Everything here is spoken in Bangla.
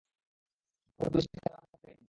চোর-পুলিশের খেলার মধ্যে কে জিতবে?